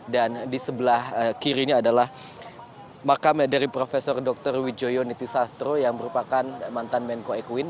dan di sebelah kirinya adalah makam dari prof dr widjoyo nitisastro yang merupakan mantan menko ekuin